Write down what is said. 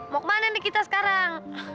mau kemana nih kita sekarang